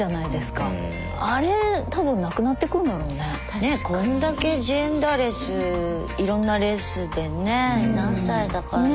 ねっこんだけジェンダーレスいろんなレスでね何歳だからって。